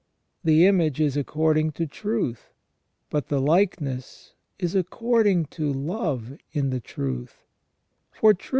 The image is according to truth ; but the likeness is according to love in the truth ; for truth * S.